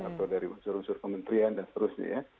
atau dari unsur unsur kementerian dan seterusnya ya